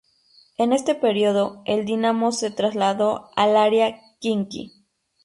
En este período, el Dinamo se trasladó al Arena Khimki.